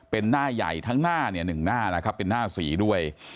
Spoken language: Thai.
เป็นหน้าใหญ่ทั้งหน้าเนี่ยหนึ่งหน้านะครับเป็นหน้าสีด้วย